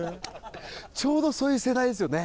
ちょうどそういう世代ですよね。